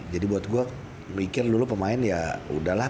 jadi buat gue mikir dulu pemain ya udahlah